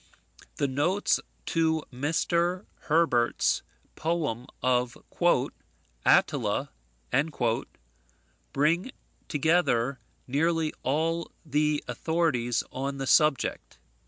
The notes to Mr. Herbert's poem of "Attila" bring together nearly all the authorities on the subject.